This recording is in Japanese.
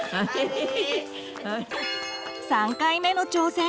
３回目の挑戦！